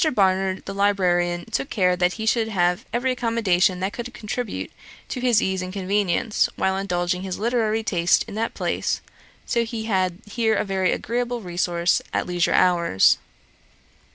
Barnard, the librarian, took care that he should have every accommodation that could contribute to his ease and convenience, while indulging his literary taste in that place; so that he had here a very agreeable resource at leisure hours.